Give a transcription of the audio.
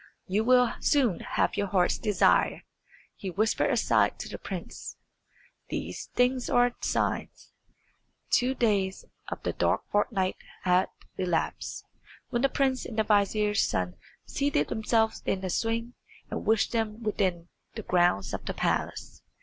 "You will soon have your heart's desire," he whispered aside to the prince. "These things are signs." Two days of the dark fortnight had elapsed, when the prince and the vizier's son seated themselves in the swing, and wished themselves within the grounds of the palace.